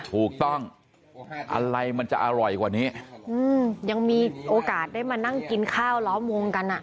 ถูกต้องอะไรมันจะอร่อยกว่านี้อืมยังมีโอกาสได้มานั่งกินข้าวล้อมวงกันอ่ะ